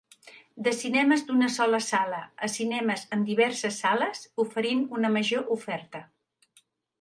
De cinemes d'una sola sala a cinemes amb diverses sales oferint una major oferta.